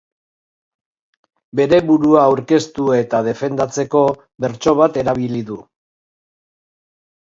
Bere burua aurkeztu eta defendatzeko bertso bat erabili du.